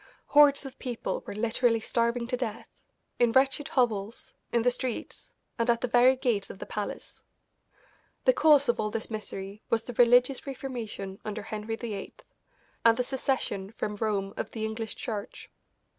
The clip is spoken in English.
Hordes of people were literally starving to death, in wretched hovels, in the streets, and at the very gates of the palace. The cause of all this misery was the religious reformation under Henry VIII, and the secession from Rome of the English Church.